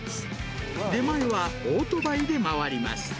出前はオートバイで回ります。